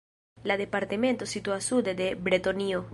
La departemento situas sude de Bretonio.